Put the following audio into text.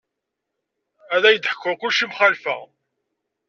Ad ak-id-ḥku kulci mxalfa.